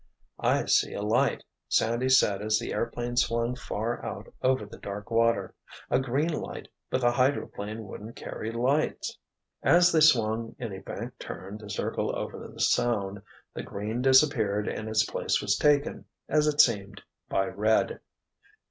"I see a light," Sandy said as the airplane swung far out over the dark water. "A green light, but the hydroplane wouldn't carry lights." As they swung in a banked turn to circle over the Sound, the green disappeared and its place was taken, as it seemed, by red.